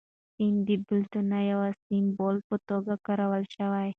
سیند د بېلتون د یو سمبول په توګه کارول شوی.